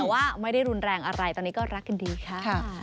แต่ว่าไม่ได้รุนแรงอะไรตอนนี้ก็รักกันดีค่ะ